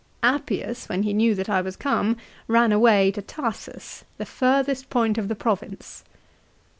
Appius, when he knew that I was come, ran away to Tarsus, the furthest point of the province."